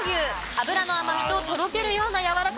脂の甘みととろけるようなやわらかさが絶品！